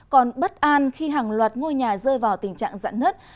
còn bất an khi hàng loạt ngôi nhà rơi vào tình trạng giận nứt